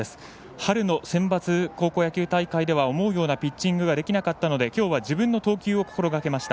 春のセンバツ高校野球大会では思うようなピッチングができなかったので自分の投球を心がけました。